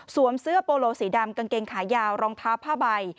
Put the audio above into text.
เสื้อโปโลสีดำกางเกงขายาวรองเท้าผ้าใบ